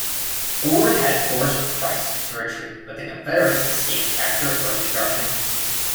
Ord had forced Price to retreat, but the Confederates escaped capture or destruction.